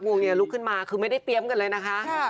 วงเงียลุกขึ้นมาคือไม่ได้เตรียมกันเลยนะคะ